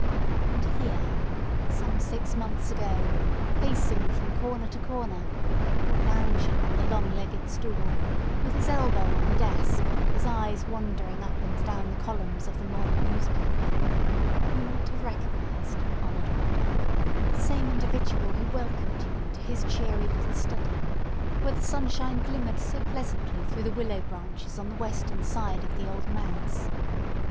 And here, some six months ago—pacing from corner to corner, or lounging on the long legged stool, with his elbow on the desk, and his eyes wandering up and down the columns of the morning newspaper—you might have recognised, honoured reader, the same individual who welcomed you into his cheery little study, where the sunshine glimmered so pleasantly through the willow branches on the western side of the Old Manse.